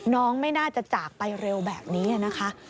ไม่น่าจะจากไปเร็วแบบนี้นะคะ